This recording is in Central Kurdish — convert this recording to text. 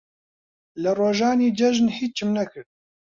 لە ڕۆژانی جەژن هیچم نەکرد.